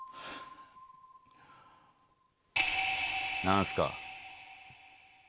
何すか？